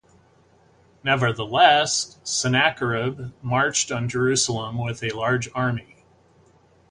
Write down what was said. Nevertheless, Sennacherib marched on Jerusalem with a large army.